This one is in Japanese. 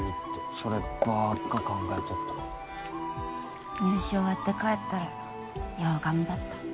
そればっか考えとった入試終わって帰ったら「よう頑張った